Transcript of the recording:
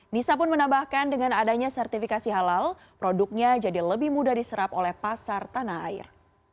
nisa pun menambahkan dengan adanya sertifikasi halal produknya jadi lebih mudah diserap oleh pasar tanah air